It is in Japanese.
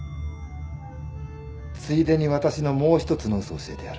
ついでに私のもう一つの嘘教えてやる。